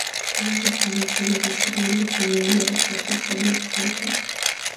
Años más tarde, Flowers describió el diseño y la construcción de estos ordenadores.